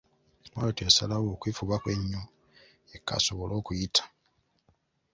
Bw’atyo yasalawo okwefubako ennyo yekka asobole okuyita.